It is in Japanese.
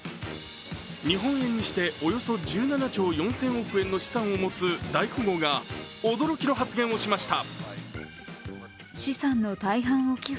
日本円にしておよそ１７兆４０００億円の資産を持つ大富豪が驚きの発言をしました。